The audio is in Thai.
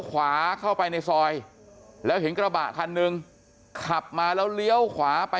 ขวาเข้าไปในซอยแล้วเห็นกระบะคันหนึ่งขับมาแล้วเลี้ยวขวาไป